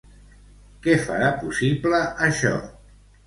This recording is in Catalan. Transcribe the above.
Què farà possible, això?